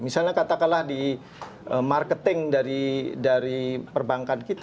misalnya katakanlah di marketing dari perbankan kita